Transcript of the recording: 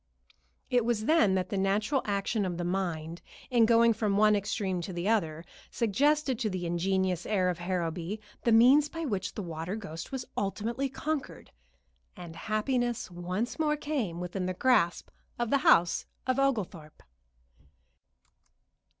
It was then that the natural action of the mind, in going from one extreme to the other, suggested to the ingenious heir of Harrowby the means by which the water ghost was ultimately conquered, and happiness once more came within the grasp of the house of Oglethorpe.